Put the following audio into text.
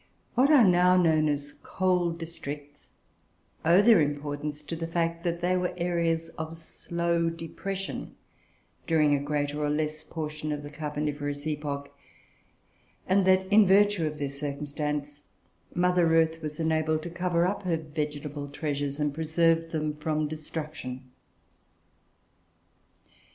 What are now known as coal districts owe their importance to the fact that they were areas of slow depression, during a greater or less portion of the carboniferous epoch; and that, in virtue of this circumstance, Mother Earth was enabled to cover up her vegetable treasures, and preserve them from destruction.